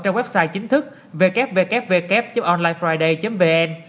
trong website chính thức www onlinefriday vn